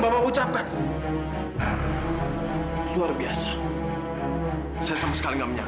sampai jumpa di video selanjutnya